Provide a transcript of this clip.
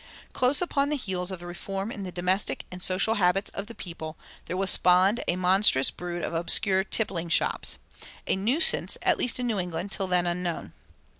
Close upon the heels of the reform in the domestic and social habits of the people there was spawned a monstrous brood of obscure tippling shops a nuisance, at least in New England, till then unknown.